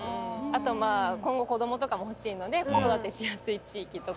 あと今後子供とかも欲しいので子育てしやすい地域とか。